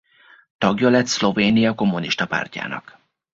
Tagja lett Szlovénia Kommunista Pártjának.